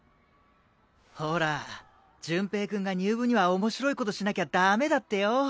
ほら潤平君が入部には面白いことしなきゃダメだってよ。